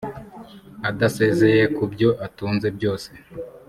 adasezeye ku byo atunze byose